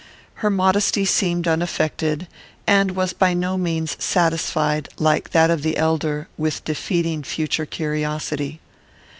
Her modesty seemed unaffected, and was by no means satisfied, like that of the elder, with defeating future curiosity.